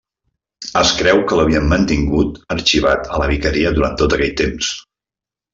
Es creu que l'havien mantingut arxivat a la vicaria durant tot aquell temps.